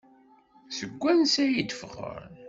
Seg wansi ay d-ffɣen?